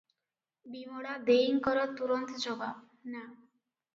ବିମଳା ଦେଈଙ୍କର ତୁରନ୍ତ ଜବାବ, ନା ।